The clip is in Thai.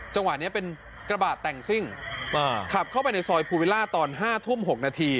จังหวะนี้เป็นกระบะแต่งซิ่งขับเข้าไปในซอยภูวิล่าตอน๕ทุ่ม๖นาที